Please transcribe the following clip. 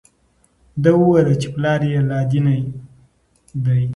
ده وویل چې پلار یې لادیني دی.